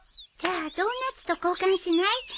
じゃあドーナツと交換しない？